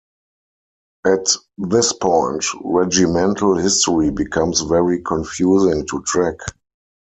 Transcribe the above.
At this point, regimental history becomes very confusing to track.